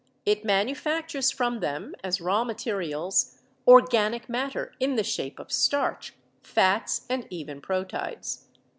It manufactures from them as raw materials organic matter in the shape of starch, fats, and even proteids.